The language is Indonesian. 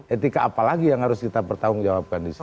etika apa lagi yang harus kita bertanggung jawabkan disitu